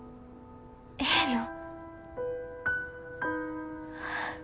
ええの？